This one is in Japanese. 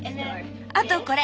あとこれ。